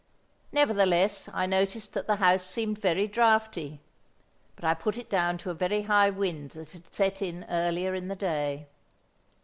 Nevertheless I noticed that the house seemed very draughty; but I put it down to a very high wind that had set in earlier in the day.